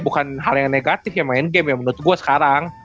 bukan hal yang negatif ya main game yang menurut gue sekarang